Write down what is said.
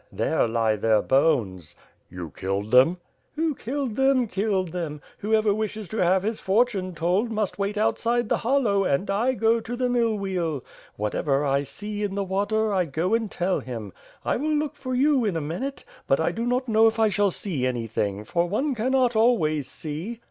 There lie their bones." "You killed them?" ^^Who killed them, killed them. Whoever wishes to have his fortune told, must wait outside the hollow; and I go to the mill wheel. Whatever I see in the water I go and tell him. I will look for you in a minute, but I do not know if I shall see anything; for one cannot always see."